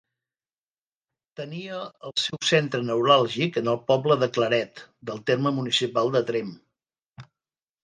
Tenia el seu centre neuràlgic en el poble de Claret, del terme municipal de Tremp.